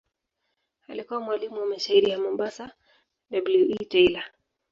Alikuwa mwalimu wa mshairi wa Mombasa W. E. Taylor.